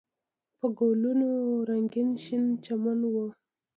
په ګلونو رنګین شین چمن و.